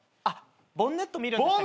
ボンネット見るんでしたっけ。